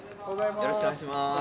よろしくお願いします。